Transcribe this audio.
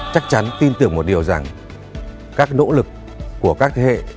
chắc chắn tin tưởng một điều rằng các nỗ lực của các thế hệ